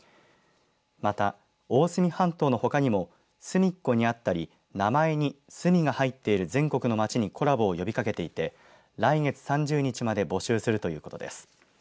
また大隅半島のほかにも隅っこにあったり名前にすみが入っている全国の街にコラボを呼びかけていて来月３０日まで募集するということです。